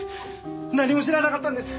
何も知らなかったんです！